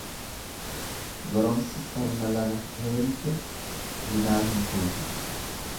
Goromsi korma lama heente rimaa hin fuutu.